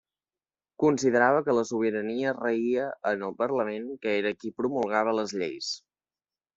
Considerava que la sobirania raïa en el Parlament, que era qui promulgava les lleis.